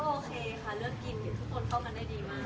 โอเคค่ะเลือกกินทุกคนเข้ากันได้ดีมาก